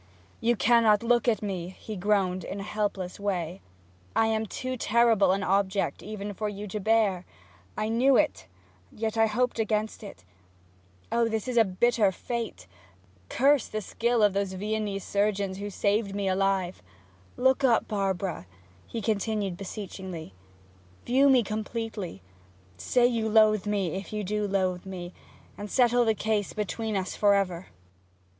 'You cannot look at me!' he groaned in a hopeless way. 'I am too terrible an object even for you to bear! I knew it; yet I hoped against it. Oh, this is a bitter fate curse the skill of those Venetian surgeons who saved me alive! ... Look up, Barbara,' he continued beseechingly; 'view me completely; say you loathe me, if you do loathe me, and settle the case between us for ever!'